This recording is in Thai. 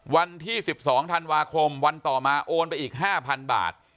วันที่สิบสองธันวาคมวันต่อมาโอนไปอีกห้าพันบาท